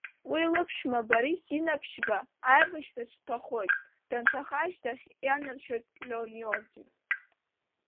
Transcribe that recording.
Уи лыԥшәма Борис Инаԥшьба аибашьраҿ дҭахоит, данҭаха ашьҭахь ианаршьоит Леон иорден.